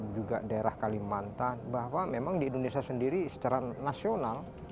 juga daerah kalimantan bahwa memang di indonesia sendiri secara nasional